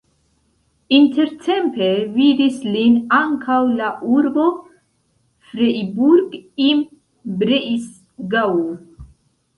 Intertempe vidis lin ankaŭ la urbo Freiburg im Breisgau.